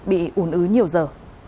bị ủn ứ nhiều giờ